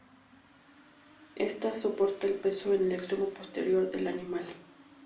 Ésta soporta el peso en el extremo posterior del animal.